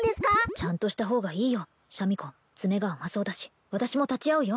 ちゃんとした方がいいよシャミ子ツメが甘そうだし私も立ち会うよ